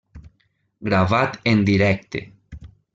Gravat en directe.